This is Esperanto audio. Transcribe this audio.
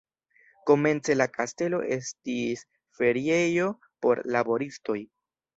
Komence la kastelo estis feriejo por laboristoj.